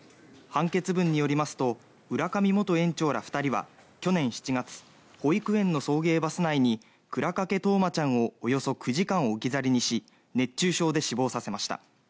判決文によりますと浦上元園長ら２人は去年７月、保育園の送迎バス内に倉掛冬生ちゃんをおよそ９時間置き去りにし熱中症で死亡させました。